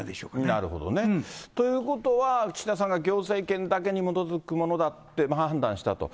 なるほどね。ということは、岸田さんが行政権だけに基づくものだって判断したと。